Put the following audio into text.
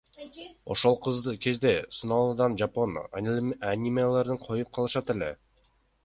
Ошол кезде сыналгыдан жапон анимелерин коюп калышат эле.